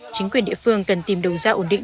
chính quyền địa phương cần tìm đầu ra ổn định